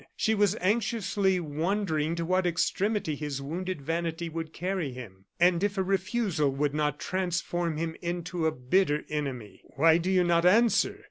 She was anxiously wondering to what extremity his wounded vanity would carry him, and if a refusal would not transform him into a bitter enemy. "Why do you not answer?"